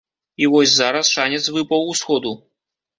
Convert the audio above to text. І вось зараз шанец выпаў усходу.